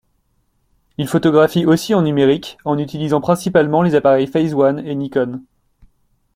Il photographie aussi en numérique, en utilisant principalement les appareils Phase One et Nikon.